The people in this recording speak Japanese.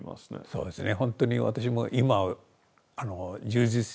そうですね。